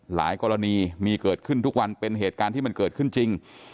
หลายกรณีมีเกิดขึ้นทุกวันเป็นเหตุการณ์ที่มันเกิดขึ้นจริง